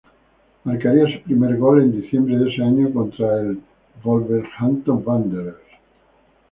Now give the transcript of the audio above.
Marcaría su primer gol en diciembre de ese año contra el Wolverhampton Wanderers.